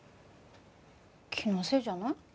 気のせいじゃない？